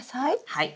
はい。